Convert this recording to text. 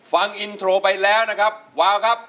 ฟังอินโทรไปแล้วนะครับวาวครับ